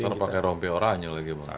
karena pakai rompi orangnya lagi pak